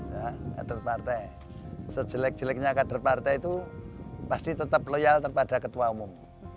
ya kader partai sejelek jeleknya kader partai itu pasti tetap loyal kepada ketua umum